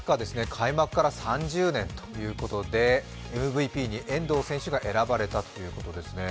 開幕から３０年ということで、ＭＶＰに遠藤選手が選ばれたということですね。